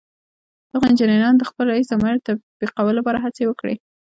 دغو انجنيرانو د خپل رئيس د امر تطبيقولو لپاره هڅې وکړې.